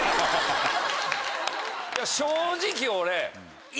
正直俺。